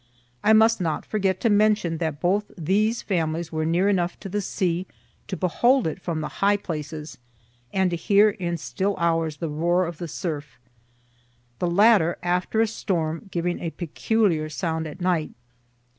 I must not forget to mention that both these families were near enough to the sea to behold it from the high places, and to hear in still hours the roar of the surf; the latter, after a storm, giving a peculiar sound at night.